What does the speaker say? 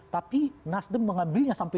tapi nasdem mengambilnya sampai